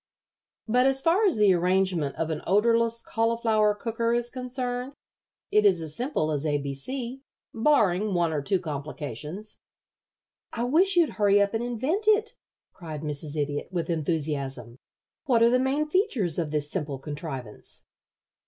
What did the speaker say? But as far as the arrangement of an odorless cauliflower cooker is concerned, it is as simple as A B C, barring one or two complications." "I wish you'd hurry up and invent it," cried Mrs. Idiot, with enthusiasm. "What are the main features of this simple contrivance?"